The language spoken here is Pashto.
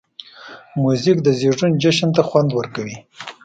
موزیک د زېږون جشن ته خوند ورکوي.